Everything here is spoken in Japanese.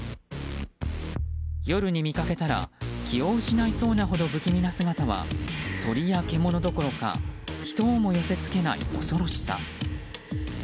夜に見かけたら気を失いそうなほど不気味な姿は鳥や獣どころか人をも寄せ付けない恐ろしさ。